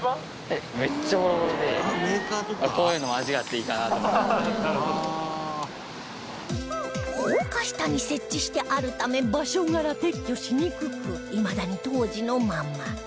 高架下に設置してあるため場所柄撤去しにくくいまだに当時のまま